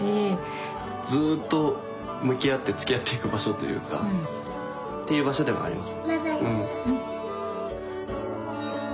ずっと向き合って付き合っていく場所というかっていう場所でもあります。